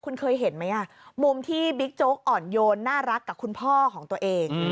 คุณเคยเห็นไหมมุมที่บิ๊กโจ๊กอ่อนโยนน่ารักกับคุณพ่อของตัวเอง